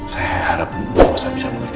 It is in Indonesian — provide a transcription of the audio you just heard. saya harap bu bisa mengerti